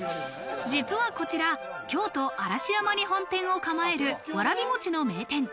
実はこちら、京都・嵐山に本店を構えるわらびもちの名店。